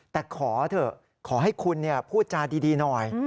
แต่ขอเถอะขอให้คุณพูดจาดีหน่อย